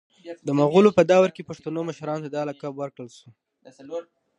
د مغولو په دور کي پښتنو مشرانو ته دا لقب ورکړل سو